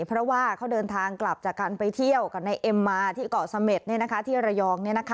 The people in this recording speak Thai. เพราะว่าเขาเดินทางกลับจากการไปเที่ยวกับนายเอ็มมาที่เกาะเสม็ดที่ระยอง